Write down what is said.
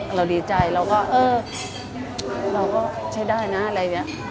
เรารู้ดีใจเราก็ใช้ได้นะอะไรอย่างนี้